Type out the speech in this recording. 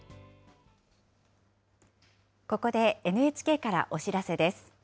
ここでＮＨＫからお知らせです。